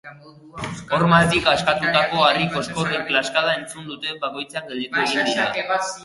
Hormatik askatutako harri koskorren klaskada entzun duten bakoitzean gelditu egin dira.